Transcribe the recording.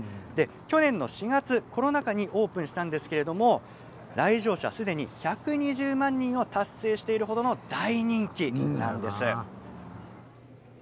去年の４月コロナ禍にオープンしたんですけれども来場者はすでに１２０万人を達成している程の大人気なんです。